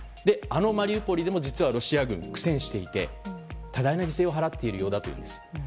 あのマリウポリでも実はロシア軍、苦戦していて多大な犠牲を払っているようだというんです。